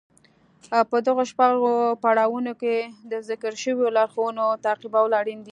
په دغو شپږو پړاوونو کې د ذکر شويو لارښوونو تعقيبول اړين دي.